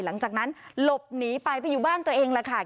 หลังจากนั้นหลบหนีไปไปอยู่บ้านตัวเองแหละค่ะ